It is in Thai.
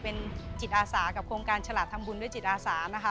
เป็นจิตอาสากับโครงการฉลาดทำบุญด้วยจิตอาสานะคะ